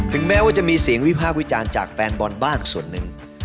แม้ว่าจะมีเสียงวิพากษ์วิจารณ์จากแฟนบอลบ้างส่วนหนึ่ง